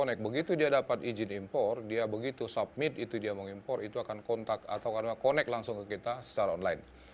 connect begitu dia dapat izin impor dia begitu submit itu dia mengimpor itu akan kontak atau karena connect langsung ke kita secara online